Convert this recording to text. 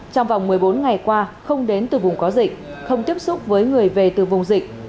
trong vòng một mươi bốn ngày qua không đến từ vùng có dịch không tiếp xúc với người về từ vùng dịch